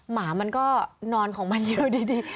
หมามันก็นอนของมันอยู่ดี